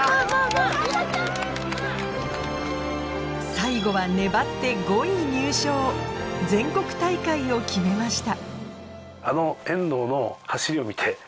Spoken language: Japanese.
・最後は粘って全国大会を決めました